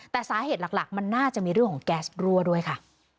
แต่สาเหตุหลักมันน่าจะมีเรื่องของแก๊สรั่วด้วยค่ะ